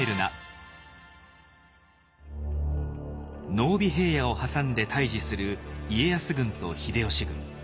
濃尾平野を挟んで対じする家康軍と秀吉軍。